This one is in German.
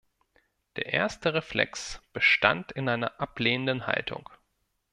Der erste Reflex bestand in einer ablehnenden Haltung.